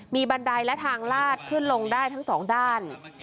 มีบันไดและทางลาดขึ้นลงได้ทั้งสองด้าน